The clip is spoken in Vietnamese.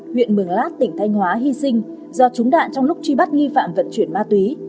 huyện mường lát tỉnh thanh hóa hy sinh do trúng đạn trong lúc truy bắt nghi phạm vận chuyển ma túy